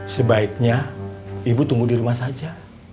sebaiknya ibu tumbuh di rumah saja